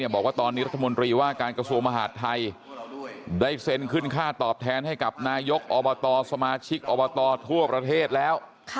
บอกว่าตอนนี้รัฐมนตรีว่าการกระทรวงมหาดไทยได้เซ็นขึ้นค่าตอบแทนให้กับนายกอบตสมาชิกอบตทั่วประเทศแล้ว